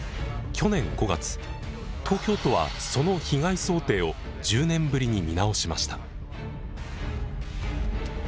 去年５月東京都はその被害想定を１０年ぶりに見直しました。